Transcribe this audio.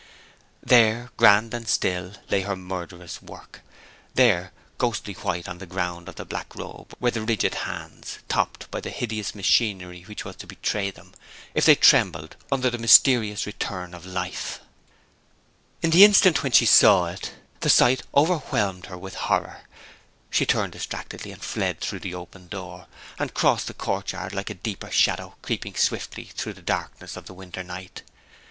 There, grand and still, lay her murderous work! There, ghostly white on the ground of the black robe, were the rigid hands, topped by the hideous machinery which was to betray them, if they trembled under the mysterious return of life! In the instant when she saw it, the sight overwhelmed her with horror. She turned distractedly, and fled through the open door. She crossed the courtyard, like a deeper shadow creeping swiftly through the darkness of the winter night.